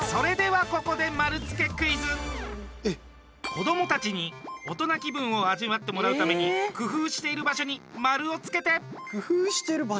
子どもたちに大人気分を味わってもらうために工夫している場所に丸をつけて。